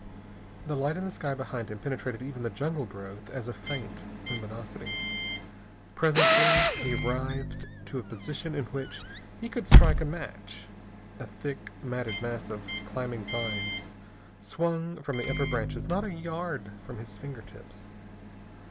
The light in the sky behind him penetrated even the jungle growth as a faint luminosity. Presently he writhed to a position in which he could strike a match. A thick, matted mass of climbing vines swung from the upper branches not a yard from his fingertips.